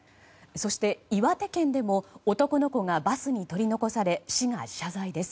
そして、岩手県でも男の子がバスに取り残され市が謝罪です。